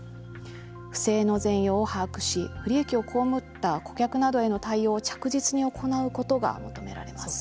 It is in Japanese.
不正の全容を把握し不利益を被った顧客などへの対応を着実に求められます。